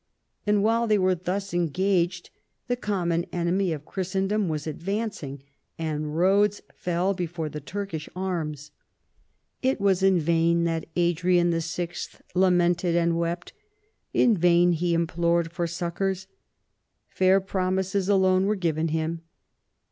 And while they were thus engaged the common enemy of Christen dom was advancing, and Ehodes fell before the Turkish arms. It was in vain that Adrian YI. lamented and wept ; in vain he implored for succours. Fair promises alone were given him.